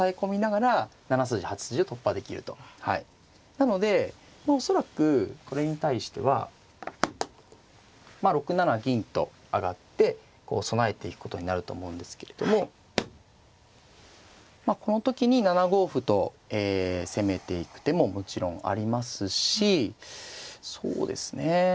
なので恐らくこれに対しては６七銀と上がって備えていくことになると思うんですけれどもこの時に７五歩と攻めていく手ももちろんありますしそうですね